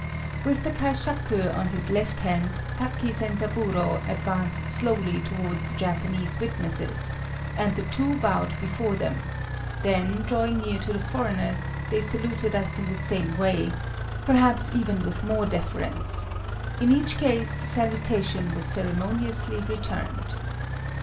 With the kaishaku on his left hand, Taki Zenzaburô advanced slowly towards the Japanese witnesses, and the two bowed before them, then drawing near to the foreigners they saluted us in the same way, perhaps even with more deference: in each case the salutation was ceremoniously returned.